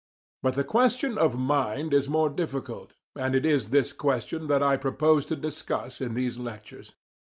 But the question of mind is more difficult, and it is this question that I propose to discuss in these lectures.